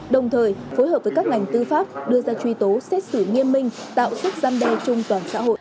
đồng thời phối hợp với các ngành tư pháp đưa ra truy tố xét xử nghiêm minh tạo sức gian đe chung toàn xã hội